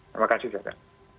terima kasih jaka